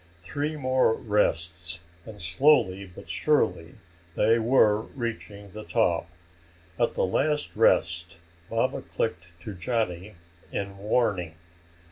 Three more rests, and slowly but surely they were reaching the top. At the last rest Baba clicked to Johnny in warning.